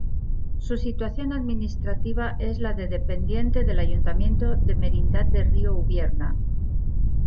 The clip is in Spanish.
Su situación administrativa es la de dependiente del ayuntamiento de Merindad de Río Ubierna.